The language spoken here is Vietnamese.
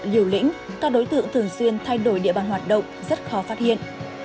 liều lĩnh các đối tượng thường xuyên thay đổi địa bàn hoạt động rất khó phát hiện